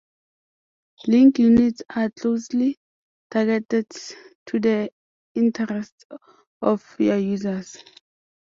Link units are closely targeted to the interests of your users.